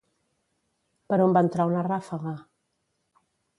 Per on va entrar una ràfega?